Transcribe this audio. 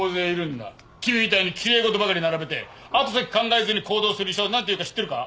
君みたいに奇麗事ばかり並べて後先考えずに行動する医者を何ていうか知ってるか？